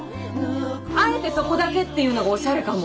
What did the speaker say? あえてそこだけっていうのがおしゃれかも。